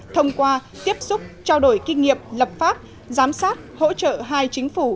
thông qua tiếp xúc trao đổi kinh nghiệm lập pháp giám sát hỗ trợ hai chính phủ